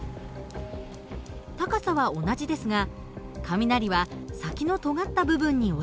高さは同じですが雷は先のとがった部分に落ちるようになります。